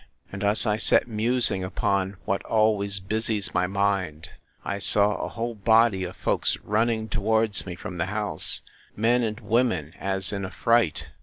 And as I sat musing upon what always busies my mind, I saw a whole body of folks running towards me from the house, men and women, as in a fright.